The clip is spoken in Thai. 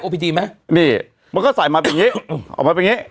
พิธีไหมนี่มันก็ใส่มาเป็นอย่างนี้ออกมาเป็นอย่างงี้